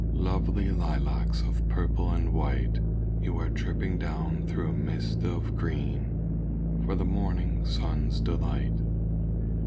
lovely lilacs of purple and white, You are dipping down through a mist of green; For the morning sun's delight.